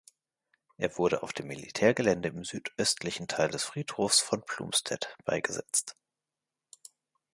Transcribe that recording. Er wurde auf dem Militärgelände im südöstlichen Teil des Friedhofs von Plumstead beigesetzt.